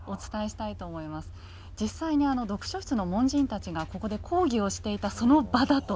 実際に読書室の門人たちがここで講義をしていたその場だと。